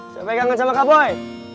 siapa yang ganggu sama kak boy